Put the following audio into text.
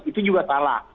itu juga salah